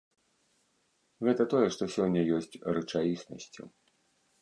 Гэта тое, што сёння ёсць рэчаіснасцю.